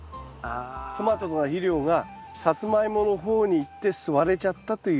トマトとかの肥料がサツマイモの方にいって吸われちゃったという。